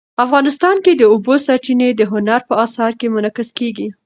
افغانستان کې د اوبو سرچینې د هنر په اثار کې منعکس کېږي.